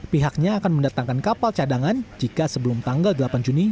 pihaknya akan mendatangkan kapal cadangan jika sebelum tanggal delapan juni